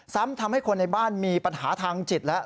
ทำให้คนในบ้านมีปัญหาทางจิตแล้ว